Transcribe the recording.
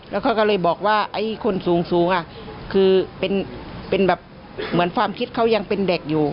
แล้วเขาก็เลยบอกว่าไอ้คนสูงคือเป็นแบบเหมือนความคิดเขายังเป็นเด็กอยู่